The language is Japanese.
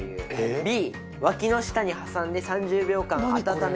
Ｂわきの下に挟んで３０秒間温める。